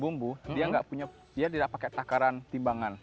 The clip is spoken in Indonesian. jika membuat bumbu tidak digunakan takaran timbangan